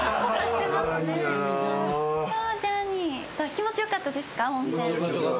気持ち良かったですか？